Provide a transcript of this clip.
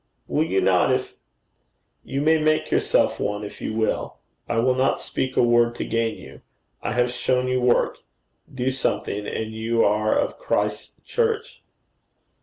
'Will you not, if ?' 'You may make yourself one if you will. I will not speak a word to gain you. I have shown you work. Do something, and you are of Christ's Church.'